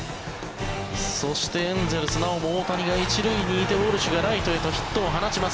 そしてエンゼルスなおも大谷が１塁にいてウォルシュがライトへとヒットを放ちます。